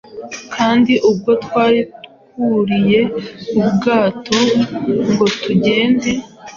kandi ubwo twari twuriye ubwato ngo tugende,